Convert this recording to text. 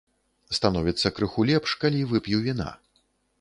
Становіцца крыху лепш, калі вып'ю віна.